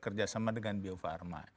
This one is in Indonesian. kerja sama dengan bio farma